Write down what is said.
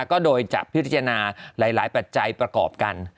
ก็โดยจะพิจารณาหลายปัจจัยประกอบกัน